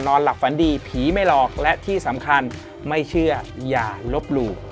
หลับฝันดีผีไม่หลอกและที่สำคัญไม่เชื่ออย่าลบหลู่